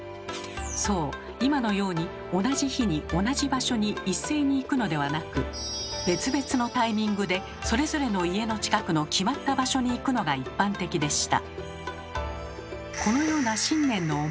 そう今のように同じ日に同じ場所に一斉に行くのではなく別々のタイミングでそれぞれの家の近くの決まった場所に行くのが一般的でした。